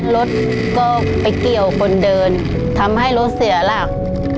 รถก็ไปเกี่ยวคนเดินทำให้รถเสียหลัก